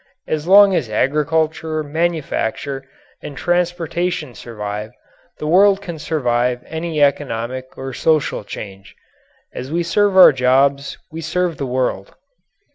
As long as agriculture, manufacture, and transportation survive, the world can survive any economic or social change. As we serve our jobs we serve the world.